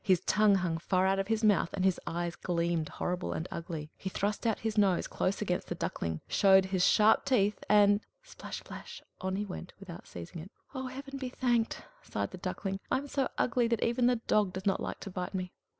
His tongue hung far out of his mouth, and his eyes gleamed horrible and ugly; he thrust out his nose close against the Duckling, showed his sharp teeth, and splash, splash! on he went, without seizing it. "Oh, Heaven be thanked!" sighed the Duckling. "I am so ugly that even the dog does not like to bite me!"